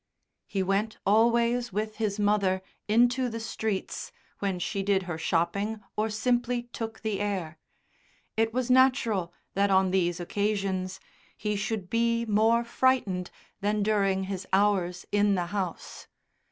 He went always with his mother into the streets when she did her shopping or simply took the air. It was natural that on these occasions, he should be more frightened than during his hours in the house.